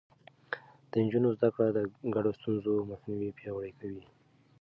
د نجونو زده کړه د ګډو ستونزو مخنيوی پياوړی کوي.